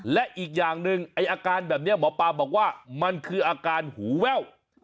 และอีกอย่างหนึ่งไอ้อาการแบบนี้หมอปลาบอกว่ามันคืออาการหูแว่ว